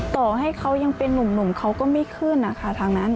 ต่อให้เขายังเป็นนุ่มเขาก็ไม่ขึ้นนะคะทางนั้น